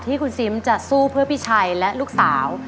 ที่คุณซิมจะสู้เพื่อพี่ชัยและลูกสาว